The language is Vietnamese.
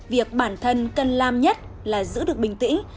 việc bản thân cần làm nhất là giữ được bình tĩnh